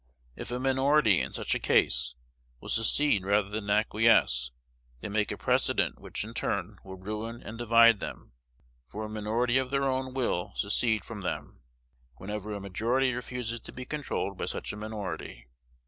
If a minority, in such a case, will secede rather than acquiesce, they make a precedent which in turn will ruin and divide them; for a minority of their own will secede from them, whenever a majority refuses to be controlled by such a minority.